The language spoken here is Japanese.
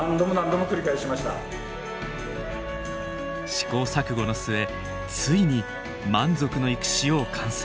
試行錯誤の末ついに満足のいく塩を完成。